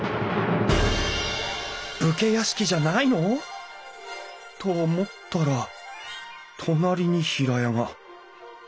武家屋敷じゃないの！？と思ったら隣に平屋が。